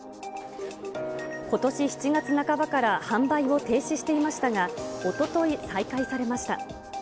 ことし７月半ばから販売を停止していましたが、おととい、再開されました。